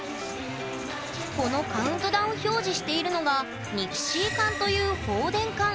このカウントダウン表示しているのがニキシー管という放電管。